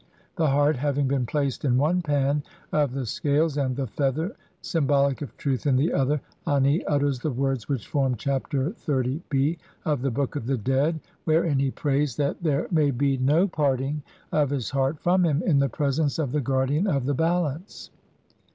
The heart having been placed in one pan of the scales and the feather, symbolic of truth, in the other, Ani utters the words which form Chapter XXX b of the Book of the Dead (see p. 79) wherein he prays that there may be no parting of his heart from him in the presence of the guardian of the Balance.